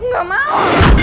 enggak aku gak mau